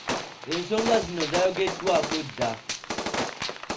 Ensonga zino zaayogeddwako dda.